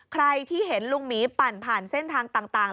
ใครที่เห็นลุงหมีปั่นผ่านเส้นทางต่าง